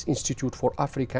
trường hợp của âu âu và africa